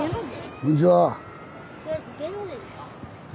こんにちは。え？